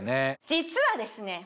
実はですね